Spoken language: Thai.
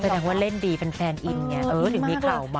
แสดงว่าเล่นดีเป็นแฟนอินไงหรือมีข่าวเหมาะ